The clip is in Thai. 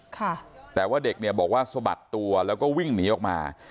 ค่ะแต่ว่าเด็กเนี่ยบอกว่าสะบัดตัวแล้วก็วิ่งหนีออกมา